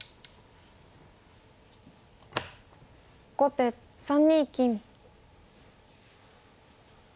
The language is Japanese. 後手３二金。